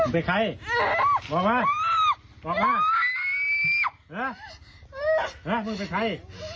ตายหรอตายแล้วนี่